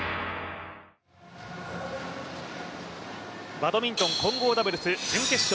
バドミントン混合ダブルス準決勝。